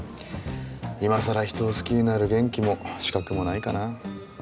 今更人を好きになる元気も資格もないかな。